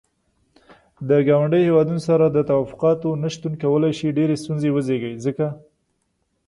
د ګاونډيو هيوادونو سره د تووافقاتو نه شتون کولاي شي ډيرې ستونزې وزيږوي ځکه.